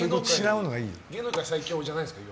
芸能界最強じゃないですか？